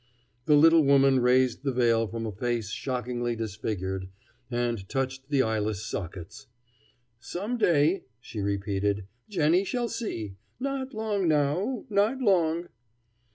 The little woman raised the veil from a face shockingly disfigured, and touched the eyeless sockets. "Some day," she repeated, "Jennie shall see. Not long now not long!"